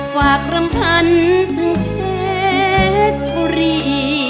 ฝากรำคัญถึงเพศบุรี